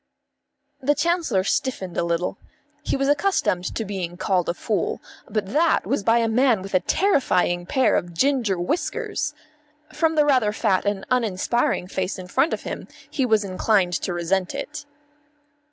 The Chancellor stiffened a little. He was accustomed to being called a fool; but that was by a man with a terrifying pair of ginger whiskers. From the rather fat and uninspiring face in front of him he was inclined to resent it.